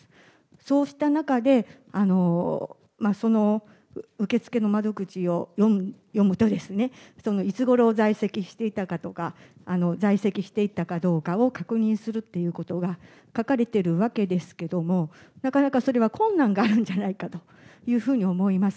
そうした中で、その受け付けの窓口をよむと、いつごろ在籍していたかとか、在籍していたかどうかを確認するっていうことが書かれてるわけですけども、なかなかそれは困難があるんじゃないかというふうに思います。